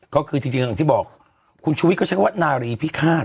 ก็คือจริงอย่างที่บอกคุณชุวิตก็ใช้คำว่านารีพิฆาต